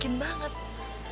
keren banget ketemu said